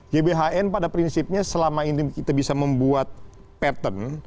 gbhn pada prinsipnya selama ini kita bisa membuat pattern